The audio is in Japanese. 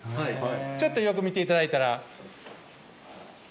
ちょっとよく見ていただいたら。